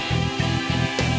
saya yang menang